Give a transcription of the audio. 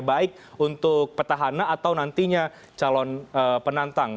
baik untuk petahana atau nantinya calon penantang